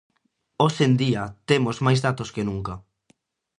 Hoxe en día, temos máis datos que nunca.